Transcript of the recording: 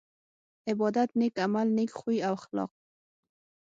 عبادت نيک عمل نيک خوي او اخلاق